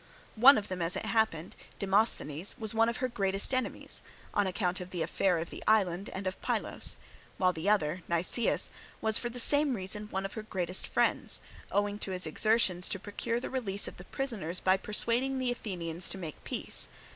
One of them, as it happened, Demosthenes, was one of her greatest enemies, on account of the affair of the island and of Pylos; while the other, Nicias, was for the same reasons one of her greatest friends, owing to his exertions to procure the release of the prisoners by persuading the Athenians to make peace.